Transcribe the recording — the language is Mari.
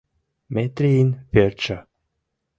Метрийын пӧртшӧ.